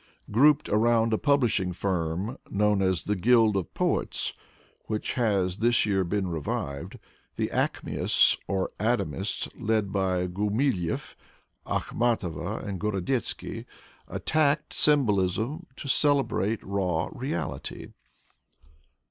Grouped around a publishing firm, known as the Guild of Poets, which has this year been revived, the Acmeists or Adamists, led by Gumilev, Akhmatova and Gorodetzky, attacked symbolism, to celebrate raw reality.